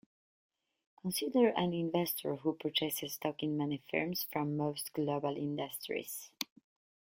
Consider an investor who purchases stock in many firms from most global industries.